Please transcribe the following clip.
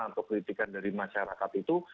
atau kritikan dari masyarakat itu